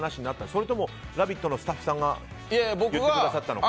それとも「ラヴィット！」のスタッフさんが言ってくださったのか。